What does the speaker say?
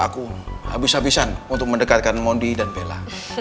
aku habis habisan untuk mendekatkan mondi dan bella